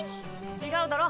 違うだろ？